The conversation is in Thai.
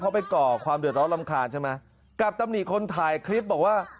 เขาไปก่อความเดือดร้อนรำคาญใช่ไหมกับตำหนิคนถ่ายคลิปบอกว่า